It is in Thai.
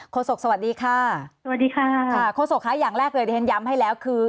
โศกสวัสดีค่ะสวัสดีค่ะค่ะโฆษกค่ะอย่างแรกเลยที่ฉันย้ำให้แล้วคือ